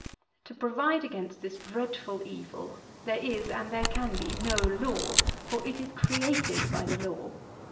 74. To provide against this dreadful evil there is, and there can be, no law; for, it is created by the law.